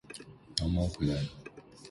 牢猫回来了